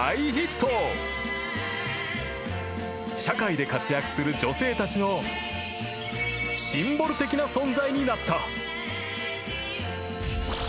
［社会で活躍する女性たちのシンボル的な存在になった］